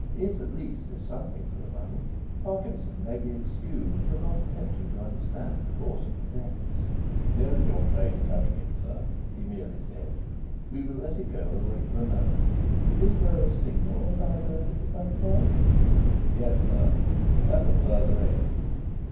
It, at least, is something for the money." Parkinson may be excused for not attempting to understand the course of events. "Here is your train coming in, sir," he merely said. "We will let it go and wait for another. Is there a signal at either end of the platform?" "Yes, sir; at the further end."